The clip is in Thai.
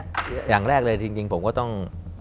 อย่างแรกเลยจริงผมก็ต้อง